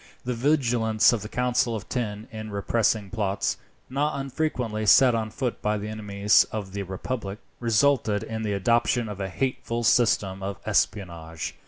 The vigilance of the Council of Ten in repressing plots, not unfrequently set on foot by the enemies of the republic, resulted in the adoption of a hateful system of espionage.